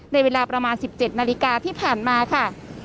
ในเวลาประมาณ๑๗นาฬิกาที่ผ่านมาค่ะ